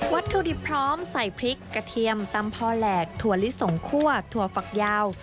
ถุดิบพร้อมใส่พริกกระเทียมตำพอแหลกถั่วลิสงคั่วถั่วฝักยาว